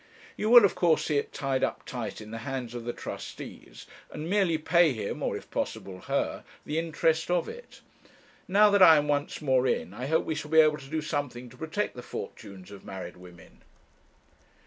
You will of course see it tied up tight in the hands of the trustees, and merely pay him, or if possible her, the interest of it. Now that I am once more in, I hope we shall be able to do something to protect the fortunes of married women.